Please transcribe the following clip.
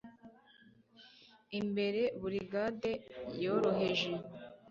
Imbere Burigade Yoroheje